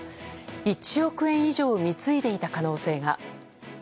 １億円以上貢いでいた可能性が。